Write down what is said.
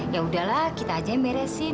ya sudah lah kita saja yang bereskan